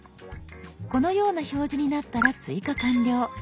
このような表示になったら追加完了。